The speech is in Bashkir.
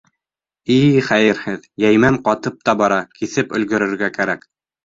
И-и-и, хәйерһеҙ, йәймәм ҡатып та бара, киҫеп өлгөрөргә кәрәк.